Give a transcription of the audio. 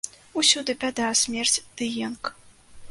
Усюды бяда, смерць ды енк.